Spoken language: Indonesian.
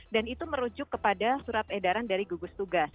dan itu merujuk kepada surat edaran dari gugus tugas